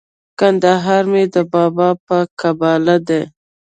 کندهار مي د بابا په قباله دی